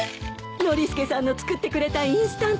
ノリスケさんの作ってくれたインスタントラーメン